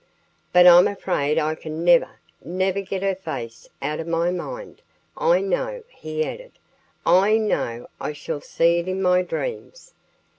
But I'm afraid I can never, never get her face out of my mind.... I know " he added "I know I shall see it in my dreams.